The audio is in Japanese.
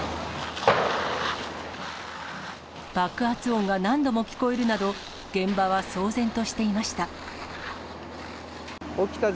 爆発音が何度も聞こえるなど、現場は騒然としていました。